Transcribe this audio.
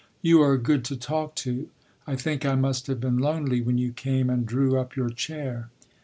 You are good to talk to. I think I must have been lonely when you came and drew up your chair.